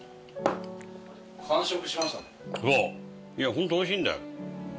ホントおいしいんだよ。